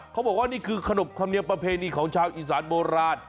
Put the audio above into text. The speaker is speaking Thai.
เขาบอกว่านี่คือขนบธรรมเนียมประเพณีของชาวอีสานโบราณ